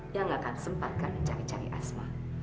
dia nggak akan sempatkan mencari cari asma